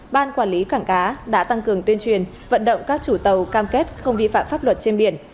ban quản lý cảng cá đã tăng cường tuyên truyền vận động các chủ tàu cam kết không vi phạm pháp luật trên biển